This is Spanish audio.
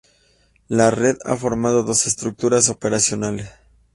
La Red ha formado dos estructuras operacionales.